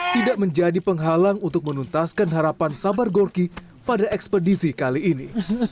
tidak menjadi penghalang untuk menuntaskan harapan sabar gorki pada ekspedisi kali ini